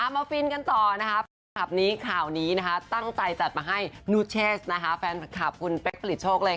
มาฟินกันต่อข่าวนี้ตั้งใจจัดมาให้นูเชสแฟนคลับคุณเป๊กผลิตโชคเลยค่ะ